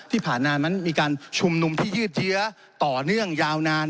ที่ผ่านมานั้นมีการชุมนุมที่ยืดเยื้อต่อเนื่องยาวนาน